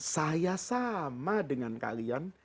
saya sama dengan kalian